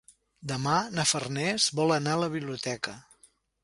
Demà na Farners vol anar a la biblioteca.